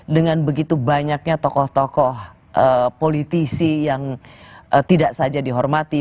dengan begitu banyaknya tokoh tokoh politisi yang tidak saja dihormati